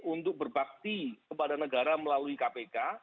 untuk berbakti kepada negara melalui kpk